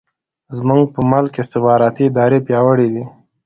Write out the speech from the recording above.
زموږ په ملک کې استخباراتي ادارې پیاوړې دي.